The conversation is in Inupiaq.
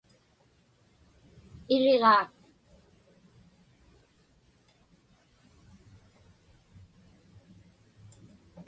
Iriġaat.